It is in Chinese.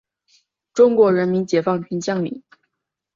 中国人民解放军将领。